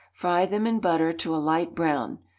Fry them in butter to a light brown.